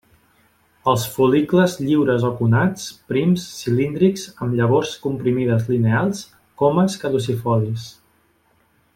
Els fol·licles lliures o connats, prims, cilíndrics amb llavors comprimides lineals, comes caducifolis.